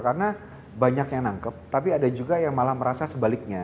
karena banyak yang nangkep tapi ada juga yang malah merasa sebaliknya